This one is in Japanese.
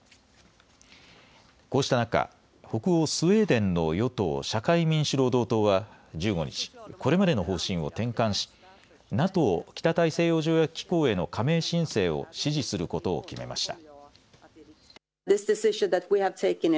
こうした中、北欧スウェーデンの与党社会民主労働党は１５日、これまでの方針を転換しＮＡＴＯ・北大西洋条約機構への加盟申請を支持することを決めました。